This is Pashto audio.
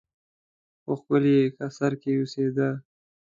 په ښکلي قصر کې اوسېدی.